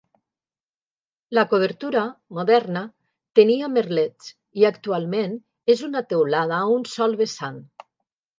La cobertura, moderna, tenia merlets i actualment és una teulada a un sol vessant.